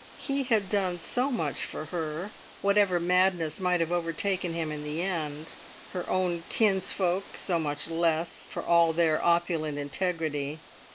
He had done so much for her, whatever madness might have overtaken him in the end; her own kinsfolk so much less, for all their opulent integrity.